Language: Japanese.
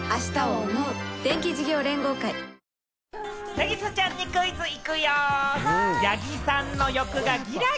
凪咲ちゃんにクイズ行くよ！